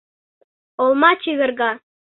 ОЛМА ЧЕВЕРГА